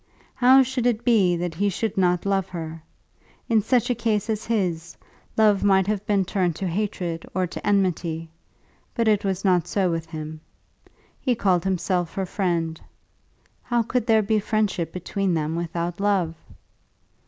How should it be that he should not love her? In such a case as his, love might have been turned to hatred or to enmity; but it was not so with him. He called himself her friend. How could there be friendship between them without love?